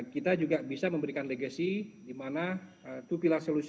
kita juga bisa memberikan legacy di mana dua pilar solusi